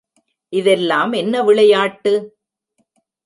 இதெல்லாம் என்ன விளையாட்டு!